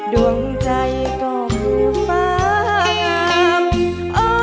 ดวงใจก็คือฟ้า